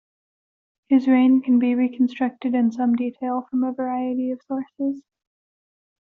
His reign can be reconstructed in some detail from a variety of sources.